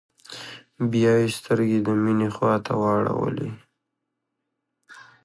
بيا يې سترګې د مينې خواته واړولې.